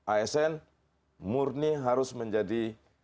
asn murni harus menjadi